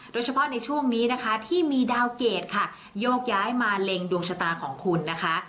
โดยเฉพาะในช่วงนี้นะคะที่มีดาวเกรดค่ะโยกย้ายมาเล็งดวงชะตาของคุณนะคะ